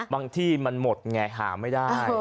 ที่มันหมดไงหาไม่ได้